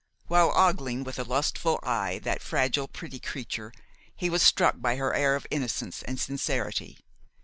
While ogling with a lustful eye that fragile, pretty creature, he was struck by her air of innocence and sincerity.